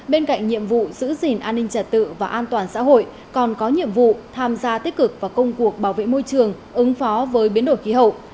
bên cạnh nhiệm vụ giữ gìn an ninh trật tự và an toàn xã hội còn có nhiệm vụ tham gia tích cực vào công cuộc bảo vệ môi trường ứng phó với biến đổi khí hậu